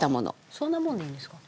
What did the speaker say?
そんなもんでいいんですか？